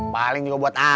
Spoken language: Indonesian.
paling juga buat ani